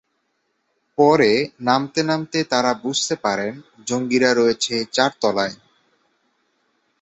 পরে নামতে নামতে তারা বুঝতে পারেন জঙ্গিরা রয়েছে চার তলায়।